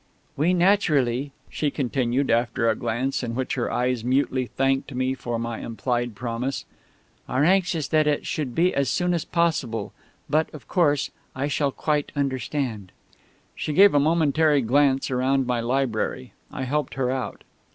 "We, naturally," she continued, after a glance in which her eyes mutely thanked me for my implied promise, "are anxious that it should be as soon as possible; but, of course I shall quite understand " She gave a momentary glance round my library. I helped her out.